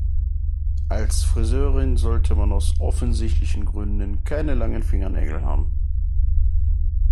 Als Friseurin sollte man aus offensichtlichen Gründen keine langen Fingernägel haben.